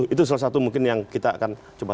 itu salah satu mungkin yang kita akan coba